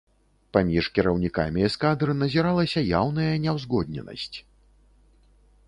Паміж кіраўнікамі эскадр назіралася яўная няўзгодненасць.